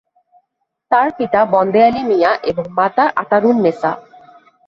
তার পিতা বন্দে আলী মিয়া এবং মাতা আতারুন্নেসা।